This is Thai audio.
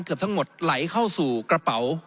เกือบทั้งหมดไหลเข้าสู่กระเป๋า